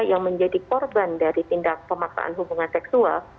yang menjadi korban dari tindak pemaksaan hubungan seksual